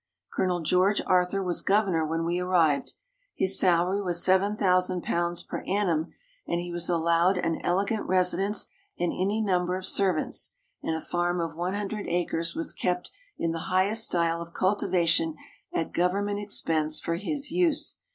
Colonel George Arthur was governor when we arrived. His salary was £7,000 per annum and he was allowed an elegant residence, and any number of servants, and a farm of one hundred acres was kept in the highest style of cultivation at govern ment expense for his use.